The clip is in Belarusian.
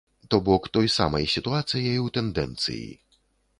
То бок той самай сітуацыяй у тэндэнцыі.